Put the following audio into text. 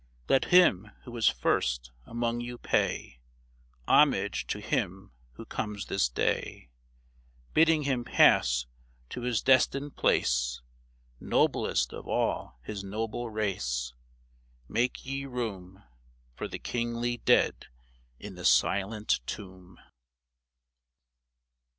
Let him who is first among you pay Homage to him who comes this day, Bidding him pass to his destined place. Noblest of all his noble race ! Make ye room For the kingly dead in the silent tomb